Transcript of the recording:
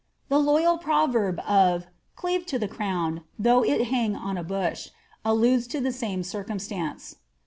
The loyal proverb of —*^ Cleave to the crown, though it hang on a bush, lUudes to the same circumstance.